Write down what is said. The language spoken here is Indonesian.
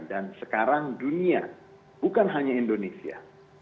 dan sekarang dunia bukan hanya indonesia